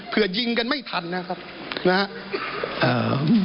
เผื่อยิงกันไม่ทันนะครับ